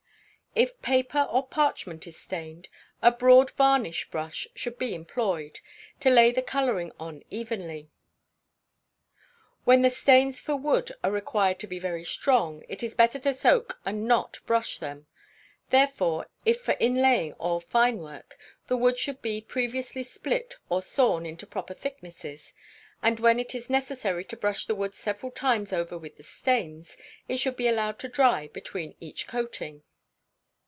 If paper or parchment is stained, a broad varnish brush should be employed, to lay the colouring on evenly. When the stains for wood are required to be very strong, it is better to soak and not brush them; therefore, if for inlaying or fine work, the wood should be previously split or sawn into proper thicknesses; and when it is necessary to brush the wood several times over with the stains, it should be allowed to dry between each coating.